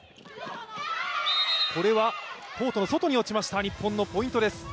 コートの外に落ちました、日本のポイントです。